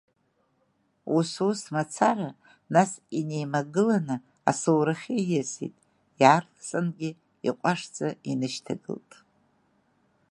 Усус мацара, нас инеимагыланы асоурахьы ииасит, иаарласынгьы иҟәашӡа инышьҭагылт.